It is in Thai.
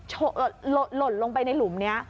หล่นลงไปในหลุมนี้